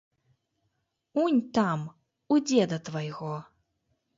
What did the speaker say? Унь там, у дзеда твайго.